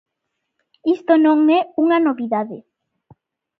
Isto non é unha novidade.